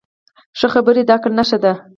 ښه خبرې د عقل نښه ده